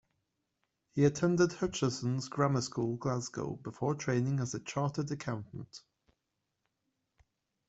He attended Hutchesons' Grammar School, Glasgow, before training as a chartered accountant.